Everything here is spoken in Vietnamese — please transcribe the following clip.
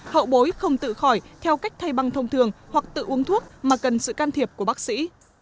hậu bối không tự khỏi theo cách thay băng thông thường hoặc tự uống thuốc mà cần sự can thiệp của bác sĩ